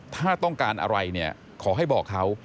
ถ้าต้องการอะไรเนี่ยขอให้บอกเขา